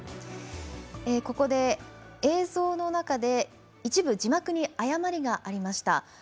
ここで、映像の中で一部字幕に誤りがありました。